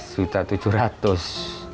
sudah tujuh ratus